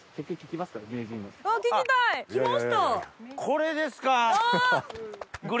これですか。